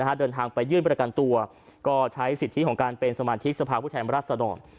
ถ้าเดินทางไปยื่นประกันตัวก็ใช้สิทธิของการเป็นสมาธิกษ์สภาพุทธแห่งรัฐสดอม